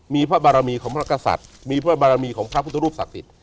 มีพระบารมีของพระกษัตริย์มีพระบารมีของพระพุทธรูปศักดิ์สิทธิ